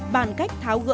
bàn cách thảo luận